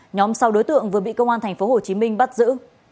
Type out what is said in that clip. nhóm sau đối tượng vừa bị công an tp hcm bắt giữ